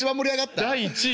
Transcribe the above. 第１位。